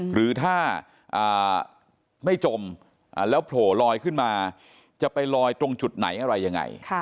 หรือถ้าไม่จมแล้วโผล่ลอยขึ้นมาจะไปลอยตรงจุดไหนอะไรยังไง